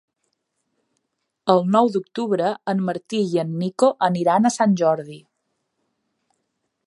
El nou d'octubre en Martí i en Nico aniran a Sant Jordi.